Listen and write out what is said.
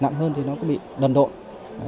nặng hơn thì nó chậm phát triển trí tuệ